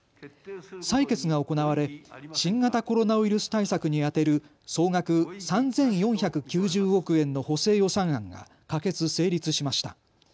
採決が行われ新型コロナウイルス対策に充てる総額３４９０億円の補正予算案が可決・成立しました。